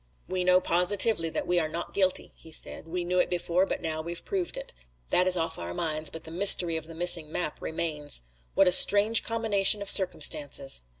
"We know positively that we are not guilty," he said. "We knew it before, but now we've proved it. That is off our minds, but the mystery of the missing map remains. What a strange combination of circumstances.